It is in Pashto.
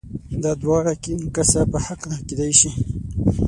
دا دواړه کسه په حقه کېدای شي؟